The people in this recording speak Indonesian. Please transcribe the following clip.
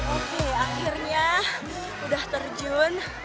oke akhirnya udah terjun